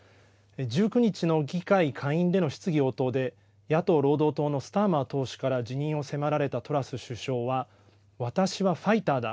１９日の議会下院での質疑応答で野党・労働党のスターマー党首から辞任を迫られたトラス首相は私はファイターだ。